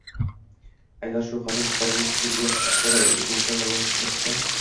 Agar shu xodim fuqarolik sudiga bir oy oʻtmasdan daʼvo kiritsa